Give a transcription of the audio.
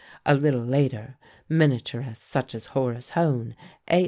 A little later, miniaturists such as Horace Hone, A.